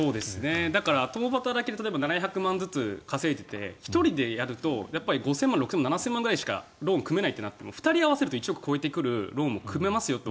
だから、共働きで例えば、７００万円ずつ稼いでいて１人でやると５０００万円６０００万円７０００万円ぐらいしかローンを組めないとなっても２人合わせると１億を超えてくるローンも組めますよと。